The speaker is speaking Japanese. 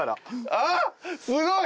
あっすごい！